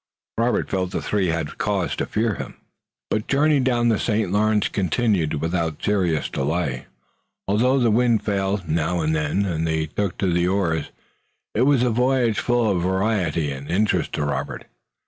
Robert felt the three had cause to fear him. But the journey down the St. Lawrence continued without serious delay, although the wind failed now and then and they took to the oars. It was a voyage full of variety and interest to Robert.